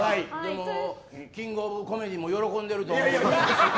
キングオブコメディも喜んでいると思います。